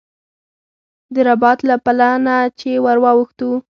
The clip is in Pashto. د رباط له پله نه چې ور واوښتو.